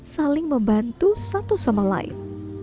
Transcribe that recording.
saling membantu satu sama lain